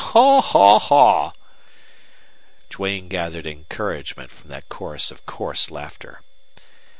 "Haw! haw! haw!" Duane gathered encouragement from that chorus of coarse laughter.